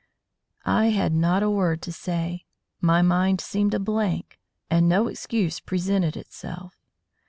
I had not a word to say. My mind seemed a blank, and no excuse presented itself.